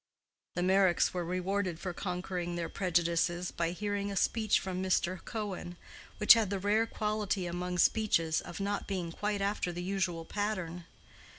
The Meyricks were rewarded for conquering their prejudices by hearing a speech from Mr. Cohen, which had the rare quality among speeches of not being quite after the usual pattern.